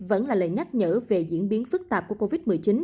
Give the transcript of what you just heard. vẫn là lời nhắc nhở về diễn biến phức tạp của covid một mươi chín